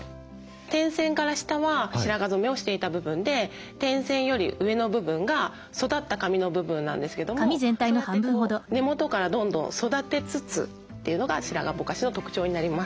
点線から下は白髪染めをしていた部分で点線より上の部分が育った髪の部分なんですけどもそうやって根元からどんどん育てつつというのが白髪ぼかしの特徴になります。